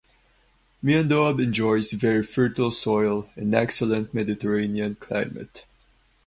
Miandoab enjoys very fertile soil and excellent Mediterranean climate.